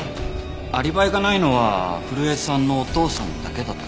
アリバイがないのは古江さんのお父さんだけだった。